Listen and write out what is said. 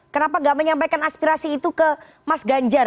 kenapa gak menyampaikan aspirasi itu ke mas ganjar